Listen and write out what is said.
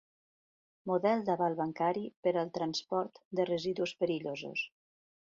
Model d'aval bancari per al transport de residus perillosos.